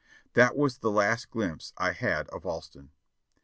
That was the last glimpse I had of Alston.